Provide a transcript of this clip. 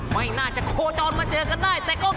วันเนี่ยทีมเราชนะแน่นอน